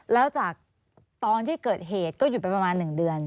แล้วจากตอนที่เกิดเหตุก็หยุดไปประมาณ๑เดือน